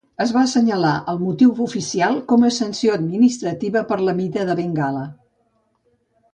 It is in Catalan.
Es va assenyalar el motiu oficial com a sanció administrativa per la mida de Bengala.